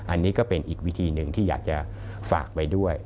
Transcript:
อันนี้ก็เป็นอีกวิธีหนึ่งที่อยากจะฝากไว้ด้วย